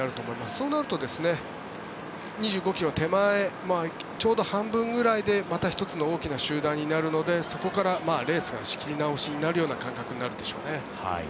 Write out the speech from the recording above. そうなると２５ｋｍ手前ちょうど半分ぐらいでまた１つの大きな集団になるのでそこからレースが仕切り直しになるような感覚になるでしょうね。